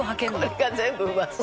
「これが全部うまそう」